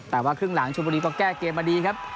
แต่ว่าครึ่งหลังชนบุรีก็แก้เกมมาดีครับ